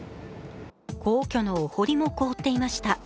皇居のお堀も凍っていました。